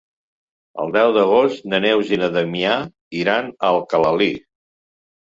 El deu d'agost na Neus i na Damià iran a Alcalalí.